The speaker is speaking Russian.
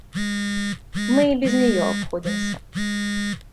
Мы и без нее обходимся.